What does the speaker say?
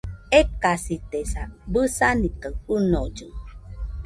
Ekasitesa, bɨsani kaɨ fɨnollɨ